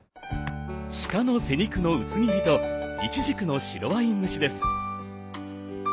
鹿の背肉の薄切りとイチジクの白ワイン蒸しです。